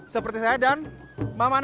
seperti saya dan mama nani